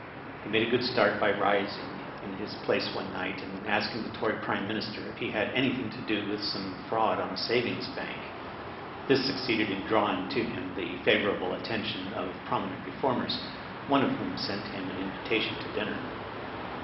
He made a good start by rising in his place one night and asking the Tory Prime Minister if he had had anything to do with some frauds on a savings bank. This sue Digitized by Google 166 RILET, M.F. ceeded in drawing to him the favorable attention of prominent reformers, one of whom sent him an invito . tion to dinner.